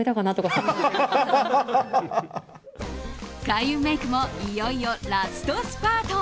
開運メイクもいよいよラストスパート。